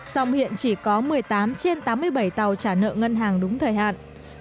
song hiện chỉ có một mươi tám trên tám mươi bảy tàu trả nợ ngân hàng đúng thời hạn